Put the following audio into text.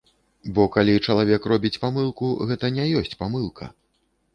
Бо калі чалавек робіць памылку, гэта не ёсць памылка.